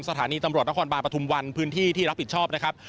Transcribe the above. สถานีตำรวจนครบาลปฐุมวันพื้นที่ที่รับผิดชอบนะครับ